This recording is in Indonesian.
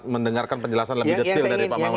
mendengarkan penjelasan lebih detail dari pak mawar